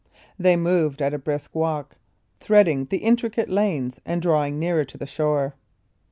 They moved at a brisk walk, threading the intricate lanes and drawing nearer to the shore.